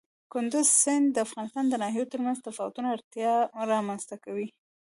کندز سیند د افغانستان د ناحیو ترمنځ تفاوتونه رامنځ ته کوي.